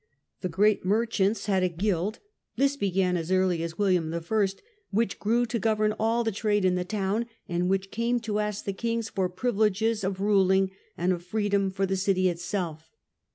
The great merchants had a guild owns. — ^j^.g began as early as William I. — which grew to govern all the trade in the town, and which came to ask the kings for privileges of ruling, and of freedom^ for the city itself.